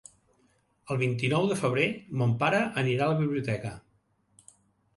El vint-i-nou de febrer mon pare anirà a la biblioteca.